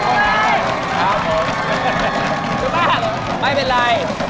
ช่วงหน้าไม่เป็นไร